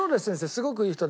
すごくいい人で。